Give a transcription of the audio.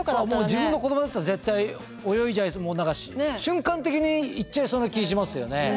自分の子どもだったら絶対泳いじゃう瞬間的に行っちゃいそうな気しますよね。